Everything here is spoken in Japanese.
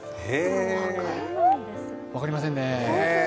分かりませんね。